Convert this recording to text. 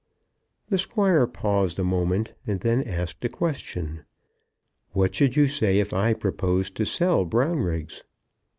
The Squire paused a moment, and then asked a question. "What should you say if I proposed to sell Brownriggs?"